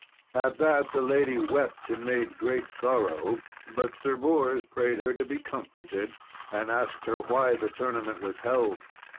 At that the lady wept, and made great sorrow. But Sir Bors prayed her to be comforted, and asked her why the tournament was held.